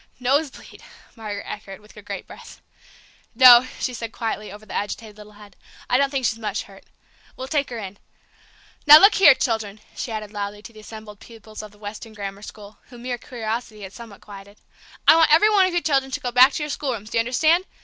"Nosebleed!" Margaret echoed, with a great breath. "No," she said quietly, over the agitated little head; "I don't think she's much hurt. We'll take her in. Now, look here, children," she added loudly to the assembled pupils of the Weston Grammar School, whom mere curiosity had somewhat quieted, "I want every one of you children to go back to your schoolrooms; do you understand?